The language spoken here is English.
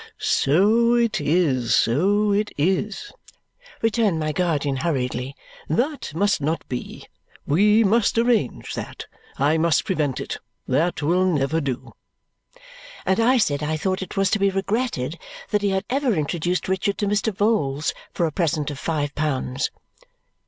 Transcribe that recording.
"So it is, so it is," returned my guardian hurriedly. "That must not be. We must arrange that. I must prevent it. That will never do." And I said I thought it was to be regretted that he had ever introduced Richard to Mr. Vholes for a present of five pounds.